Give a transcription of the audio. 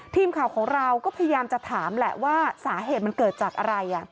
ทีมข่าวของเราก็พยายามจะถามแหละว่าสาเหตุมันเกิดจากอะไร